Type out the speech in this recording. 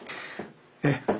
ええ。